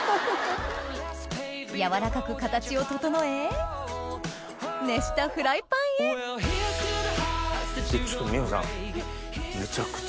やわらかく形を整え熱したフライパンへちょっと美穂さん。